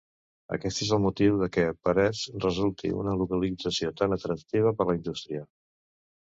Aquest és el motiu de què Parets resulti una localització tan atractiva per la indústria.